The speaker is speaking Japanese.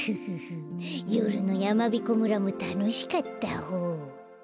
よるのやまびこ村もたのしかったホー。